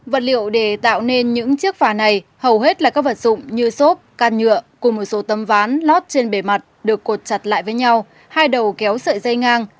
vật liệu để tạo nên những chiếc phà này hầu hết là các vật dụng như xốp can nhựa cùng một số tấm ván lót trên bề mặt được cột chặt lại với nhau hai đầu kéo sợi dây ngang